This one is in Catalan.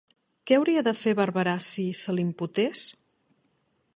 Què hauria de fer Barberà si se l'imputés?